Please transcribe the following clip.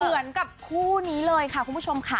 เหมือนกับคู่นี้เลยค่ะคุณผู้ชมค่ะ